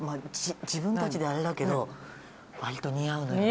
自分たちであれだけど割と似合うのよね。